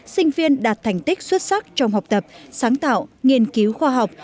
sinh viên đạt thành tích xuất sắc trong học tập sáng tạo nghiên cứu khoa học